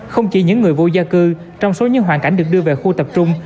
không chỉ những người vô gia cư trong số những hoàn cảnh được đưa về khu tập trung